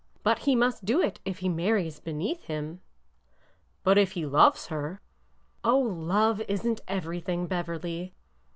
But he must do it if he marries beneath him." '' But if he loves her—" " Oh, love is n't everything, Beverly.